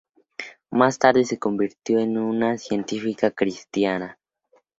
Más tarde se convirtió en una científica cristiana.